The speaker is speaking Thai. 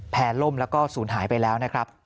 ล่มแล้วก็ศูนย์หายไปแล้วนะครับ